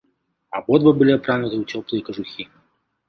Абодва былі апрануты ў цёплыя кажухі.